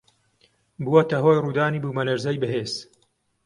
بووەتە هۆی ڕوودانی بوومەلەرزەی بەهێز